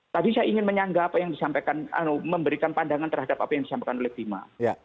tadi saya ingin menyanggah apa yang disampaikan memberikan pandangan terhadap apa yang disampaikan oleh bima